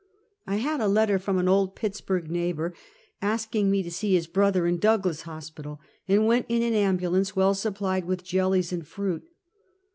I had a letter from an old Pittsburg neighbor, asking me to see his brother in Douglas Hospital, and went in an ambulance well supplied with jellies and fruit.